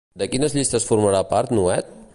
De quines llistes formarà part Nuet?